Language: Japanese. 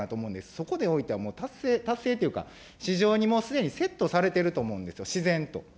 そこにおいては達成、市場にもうすでにセットされてると思うんですよ、自然と。